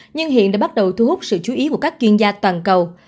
nhưng hiện đã bắt đầu thu hút sự chú ý của các chuyên gia toàn cầu